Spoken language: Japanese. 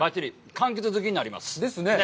かんきつ好きになります。ですね。